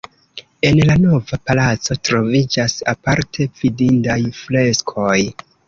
En la Nova Palaco troviĝas aparte vidindaj freskoj.